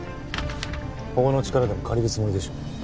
法の力でも借りるつもりでしょう